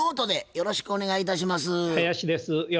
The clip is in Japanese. よろしくお願いします。